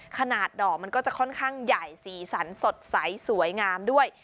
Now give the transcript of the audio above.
ดอกมันก็จะค่อนข้างใหญ่สีสันสดใสสวยงามด้วย